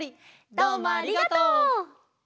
どうもありがとう！